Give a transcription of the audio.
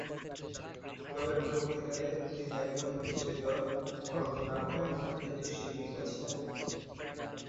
তবে পরবর্তীকালে তিনি একজন প্রতিষ্ঠিত ভরতনাট্যম নৃত্যশিল্পী হয়েছিলেন।